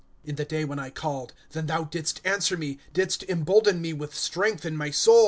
^ In the day when I called, then thou didst answer me, Didst embolden me witli strength in my soul.